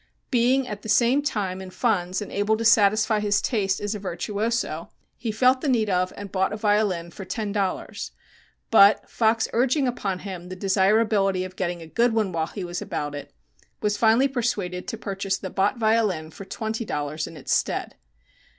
Being, at the same time, in funds, and able to satisfy his taste as a virtuoso, he felt the need of and bought a violin for ten dollars, but, Fox urging upon him the desirability of getting a good one while he was about it, was finally persuaded to purchase the Bott violin for twenty dollars in its stead.